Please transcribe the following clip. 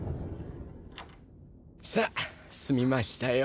さっ済みましたよ。